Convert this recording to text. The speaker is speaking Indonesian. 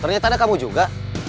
ternyata ada kamu juga